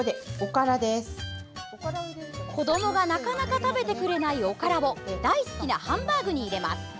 子どもがなかなか食べてくれないおからを大好きなハンバーグに入れます。